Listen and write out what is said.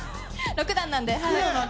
六段なんで。